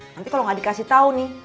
nanti kalau gak dikasih tau nih